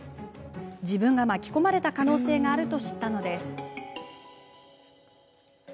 自分が巻き込まれた可能性があると知ったのです。